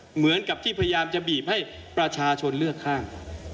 เหมือนกับที่พยายามจะบีบให้ประชาชนเลือกข้าง